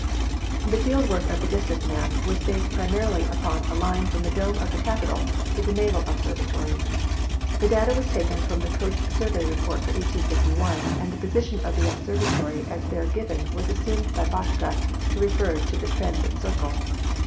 . The field work of the District map was based primarily upon a line from the dome of the Capitol to the Naval Observatory. The data was taken from the Coast Survey Report for 1851, and the position of the observatory as there given was assumed by Boschke to refer to the transit circle.